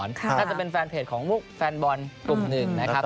น่าจะเป็นแฟนเพจของแฟนบอลกลุ่มหนึ่งนะครับ